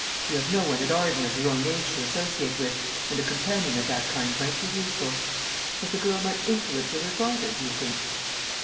You have no one at Arden of your own age to associate with, and a companion of that kind might be useful. Has the girl much influence with her father, do you think?"